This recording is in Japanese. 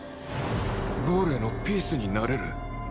ゴールへのピースになれる